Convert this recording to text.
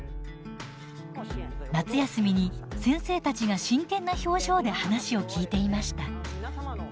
夏休みに先生たちが真剣な表情で話を聞いていました。